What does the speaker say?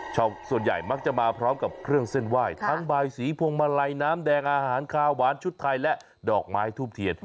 ส่วนใหญ่มักจะมาพร้อมกับเครื่องเส้นไหว้ทั้งบายสีพวงมาลัยน้ำแดงอาหารคาวหวานชุดไทยและดอกไม้ทูบเทียน